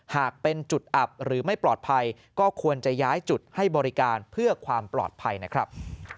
หากเป็นจุดอับหรือไม่ปลอดภัยก็ควรจะย้ายจุดให้บริการเพื่อความปลอดภัยนะครับ